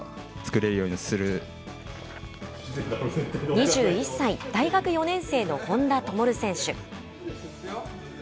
２１歳、大学４年生の本多灯選手。